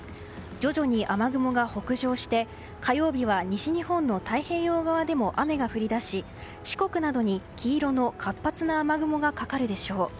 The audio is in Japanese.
徐々に雨雲が北上して火曜日は西日本の太平洋側でも雨が降り出し四国などに黄色の活発な雨雲がかかるでしょう。